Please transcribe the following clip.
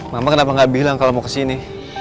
mama kenapa nggak bilang kalau mau kesini